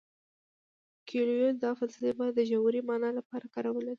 کویلیو دا فلسفه د ژورې مانا لپاره کارولې ده.